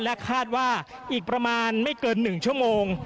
คาดว่าอีกประมาณไม่เกิน๑ชั่วโมง